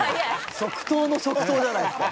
即答の即答じゃないですか。